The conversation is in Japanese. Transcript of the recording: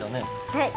はい。